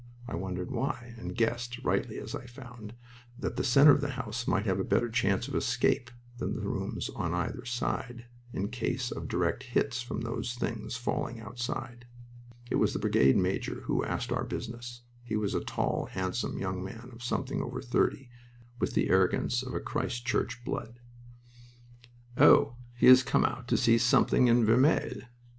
I wondered why, and guessed (rightly, as I found) that the center of the house might have a better chance of escape than the rooms on either side, in case of direct hits from those things falling outside. It was the brigade major who asked our business. He was a tall, handsome young man of something over thirty, with the arrogance of a Christ Church blood. "Oh, he has come out to see something in Vermelles?